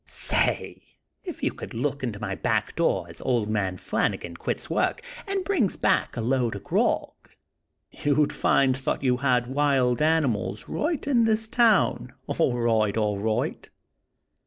Say, if you could look into my back door as Old Man Flanagan quits work, an' brings back a load o' grog, you'd find thot you had wild animals roight in this town, all roight, all roight."